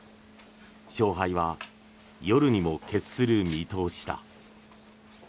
勝敗は夜にも決する見通しだ。